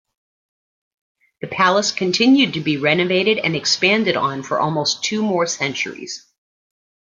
The palace continued to be renovated and expanded on for almost two more centuries.